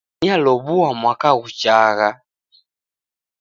Nialow'ua mwaka ghuchagha